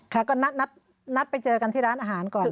ค่ะก็นัดไปเจอกันที่ร้านอาหารก่อน